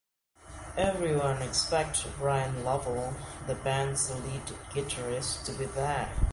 Everyone expects Brian Lovell, the band's lead guitarist, to be there.